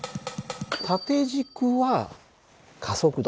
縦軸は加速度。